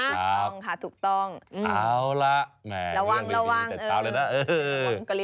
ครับถูกต้องเอาละระวังแต่เช้าเลยนะเออ